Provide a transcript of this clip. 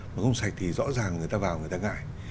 mà không sạch thì rõ ràng người ta vào người ta ngại